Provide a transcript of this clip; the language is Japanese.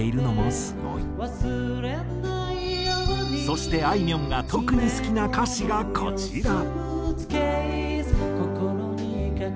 そしてあいみょんが特に好きな歌詞がこちら。